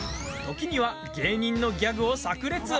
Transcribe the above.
時には、芸人のギャグをさく裂。